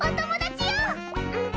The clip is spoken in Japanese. うん。